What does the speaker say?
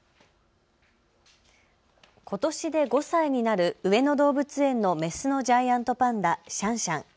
ことしで５歳になる上野動物園のメスのジャイアントパンダ、シャンシャン。